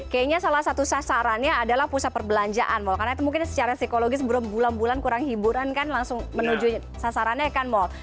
kayaknya salah satu sasarannya adalah pusat perbelanjaan mal karena itu mungkin secara psikologis belum bulan bulan kurang hiburan kan langsung menuju sasarannya kan mall